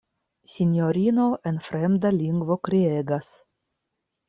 Sinjorino en fremda lingvo kriegas.